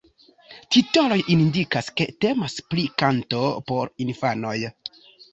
Titoloj indikas, ke temas pri kanto por infanoj.